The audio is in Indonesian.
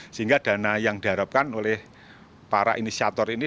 sehingga dana yang diharapkan oleh para inisiator ini